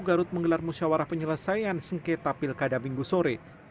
garut menggelar musyawarah penyelesaian sengketa pilkada minggu sore